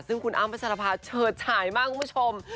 ซึ่งคุณอ้ำพัชรภาเฉิดฉายมากคุณผู้ชม